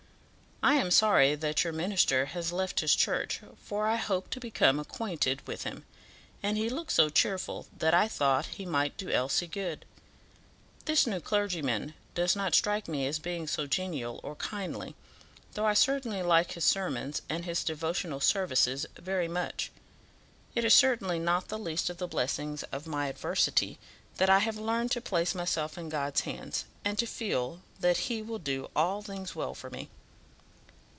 I am sorry that your minister has left his church, for I hoped to become acquainted with him; and he looked so cheerful that I thought he might do Elsie good. This new clergyman does not strike me as being so genial or kindly, though I certainly like his sermons and his devotional services very much. It is certainly not the least of the blessings of my adversity that I have learned to place myself in God's hands, and to feel that he will do all things well for me."